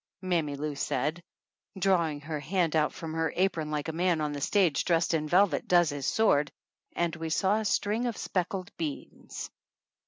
Mammy Lou said, drawing her hand out from her apron like a man on the stage dressed in velvet does his sword and we saw a string of speckled beans.